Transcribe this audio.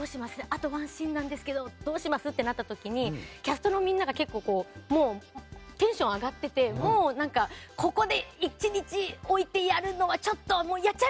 あと１シーンなんですけどってなった時にキャストのみんながテンション上がっててここで１日置いてやるのはちょっと。